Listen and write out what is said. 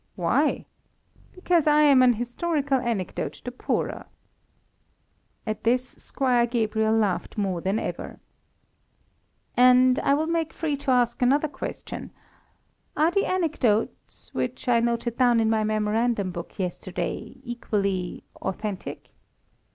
"Why?" "Because I am an historical anecdote the poorer." At this Squire Gabriel laughed more than ever. "And I will make free to ask another question. Are the anecdotes, which I noted down in my memorandum book yesterday, equally authentic?"